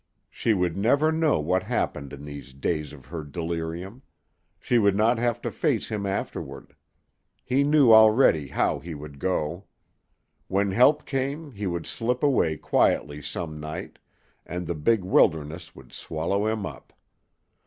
She would never know what happened in these days of her delirium. She would not have to face him afterward. He knew already how he would go. When help came he would slip away quietly some night, and the big wilderness would swallow him up.